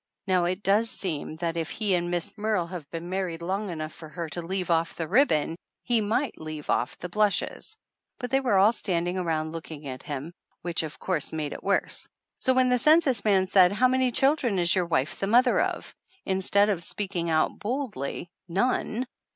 Now, it does seem that if he and Miss Merle have been married long 256 THE ANNALS OF ANN enough for her to leave off the ribbon he might leave off the blushes ; but they were all standing around looking at him, which of course made it worse. So when the census man said, "How many children is your wife the mother of?" in stead of speaking out boldly, "None